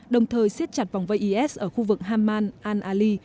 đồng thời xiết chặt vòng vây is ở khu vực haman al ali